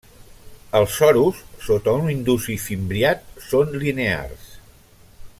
Els sorus, sota un indusi fimbriat, són linears.